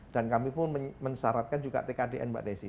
dan kami pun mensyaratkan juga tkdn pak nessy